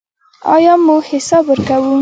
آیا موږ حساب ورکوو؟